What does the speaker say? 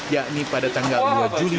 yakni pada tanggal dua juli